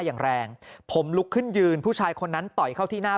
อย่างแรงผมลุกขึ้นยืนผู้ชายคนนั้นต่อยเข้าที่หน้า